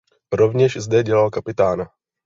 Rovněž zde dělal kapitána.